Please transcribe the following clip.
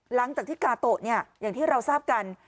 หลังจากที่กาโตะเนี่ยอย่างที่เราทราบกัน